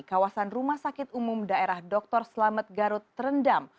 kawasan rumah sakit umum daerah dr selamet garut terendam